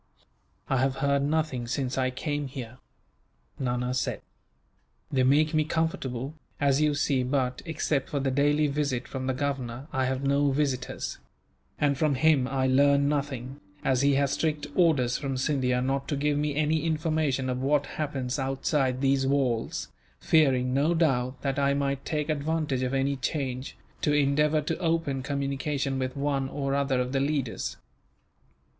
"I have heard nothing since I came here," Nana said. "They make me comfortable, as you see but, except for the daily visit from the governor, I have no visitors; and from him I learn nothing, as he has strict orders, from Scindia, not to give me any information of what happens outside these walls; fearing, no doubt, that I might take advantage of any change, to endeavour to open communication with one or other of the leaders.